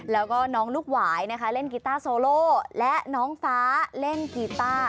แล้วก็น้องลูกหวายนะคะเล่นกีต้าโซโลและน้องฟ้าเล่นกีต้า